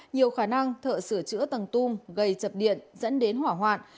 nhiều khả năng thợ sửa chữa tầng tung gây chập điện dẫn đến hỏa hoạn